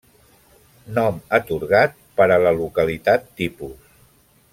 Nom atorgat per a la localitat tipus.